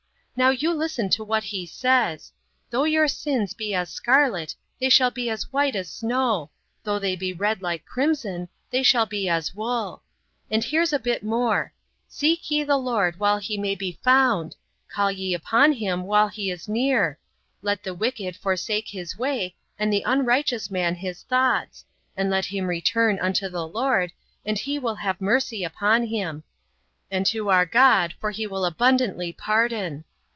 Now you listen to what He says: 'Though your sins be as scarlet, they shall be as white as snow; though they be red like crimson, they shall be as wool.' And here's a bit more, 'Seek ye the Lord while He may be found, call ye upon Him while He is near; let the wicked forsake his way and the unrighteous man his thoughts; and let him return unto the Lord, and He will have mercy upon him; and to our God for He will abundantly pardon.'